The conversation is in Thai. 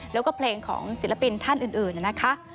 แล้วก็เพลงของศิลปินท่านอื่นนะคะ